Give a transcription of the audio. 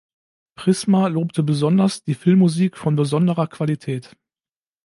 Prisma lobte besonders die Filmmusik von besonderer Qualität.